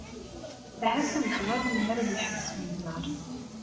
Ahat ad ffɣeɣ lemmer ad yeḥbes unẓar.